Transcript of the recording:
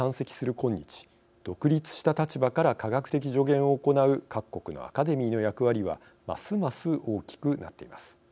今日独立した立場から科学的助言を行う各国のアカデミーの役割はますます大きくなっています。